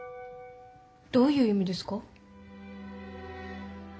どういう意味ですか？